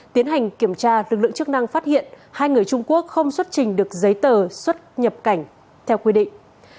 tiến hành kiểm tra lực lượng chức năng phát hiện hai người trung quốc không xuất trình được giấy tờ xuất nhập cảnh theo quy định